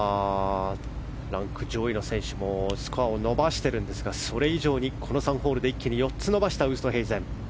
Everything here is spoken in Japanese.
ランク上位の選手もスコアを伸ばしているんですがそれ以上に、この３ホールで一気に４つ伸ばしたウーストヘイゼン。